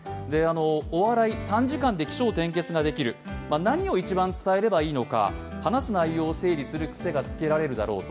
お笑い、短時間で起承転結ができる何を一番伝えればいいのか、話す内容を整理する癖がつけられるだろうと。